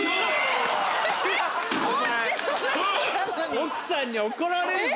奥さんに怒られるぞ。